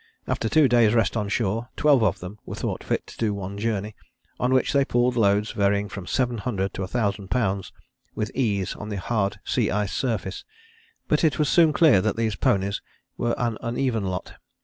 After two days' rest on shore, twelve of them were thought fit to do one journey, on which they pulled loads varying from 700 to 1000 lbs. with ease on the hard sea ice surface. But it was soon clear that these ponies were an uneven lot.